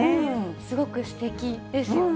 すごくすてきですよね。